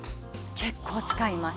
結構使います。